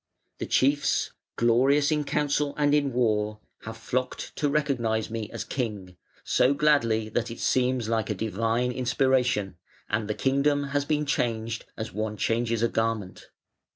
The chiefs, glorious in council and in war, have flocked to recognise me as King, so gladly that it seems like a Divine inspiration, and the kingdom has been changed as one changes a garment.